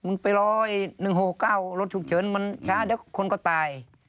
ไปรอ๑๖๙รถฉุกเฉินมันช้าเดี๋ยวคนก็ตาย